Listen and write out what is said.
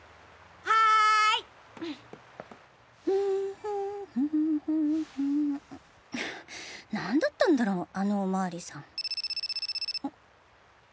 はい。何だったんだろあのお巡りさん。